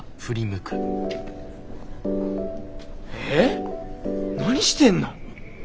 えっ何してんの！？